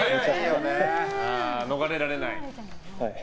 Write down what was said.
逃れられない？